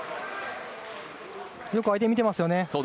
よく相手を見てますね。